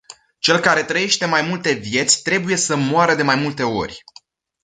Cel care trăiește mai multe vieți trebuie să moară de mai multe ori.